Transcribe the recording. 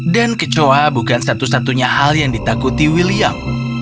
dan kecoa bukan satu satunya hal yang ditakuti william